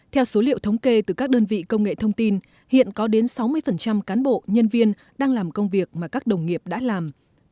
theo số liệu thống kê từ các đơn vị công nghệ thông tin hiện có đến sáu mươi cán bộ nhân viên đang làm công việc mà các đồng nghiệp đã làm